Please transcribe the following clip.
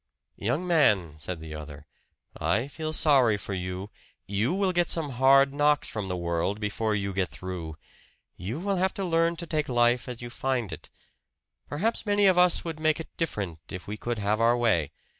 "Young man," said the other, "I feel sorry for you you will get some hard knocks from the world before you get through. You will have to learn to take life as you find it. Perhaps many of us would make it different, if we could have our way.